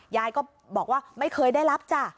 ยายก็บอกว่าไม่เคยได้รับจ้ะ